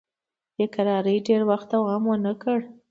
دې کراري ډېر وخت دوام ونه کړ.